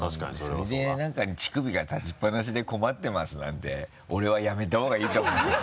それでなんか「乳首が立ちっぱなしで困ってます」なんて俺はやめた方がいいと思うね。